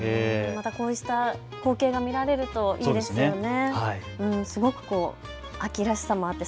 またこうした光景が見られるといいですよね。